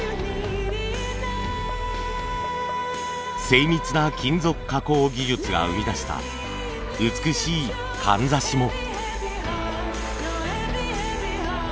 精密な金属加工技術が生み出した美しいかんざしも。